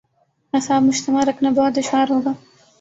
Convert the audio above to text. اعصاب مجتمع رکھنا بہت دشوار ہو گا۔